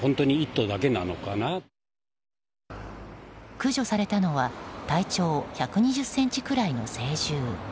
駆除されたのは体長１２０ｃｍくらいの成獣。